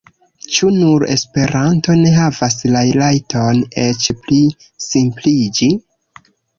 Ĉu nur Esperanto ne havas la rajton eĉ pli simpliĝi?